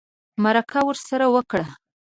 مرکه ورسره وکړه